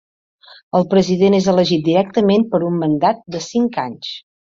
El president és elegit directament per un mandat de cinc anys.